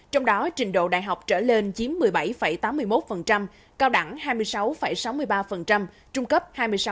trong đó trình độ đại học trở lên chiếm một mươi bảy tám mươi một cao đẳng hai mươi sáu sáu mươi ba trung cấp hai mươi sáu